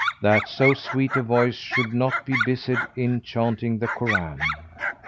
that so sweet a voice should not be busied in chaunting the Koran.